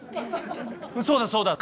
そうだそうだ。